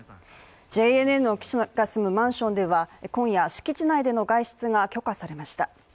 ＪＮＮの記者が住むマンションでは今夜、敷地内での外出が許可されました。